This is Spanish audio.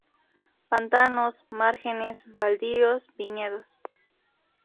Pantanos, márgenes, baldíos, viñedos.